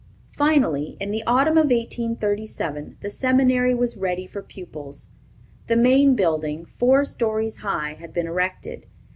Finally, in the autumn of 1837, the seminary was ready for pupils. The main building, four stories high, had been erected.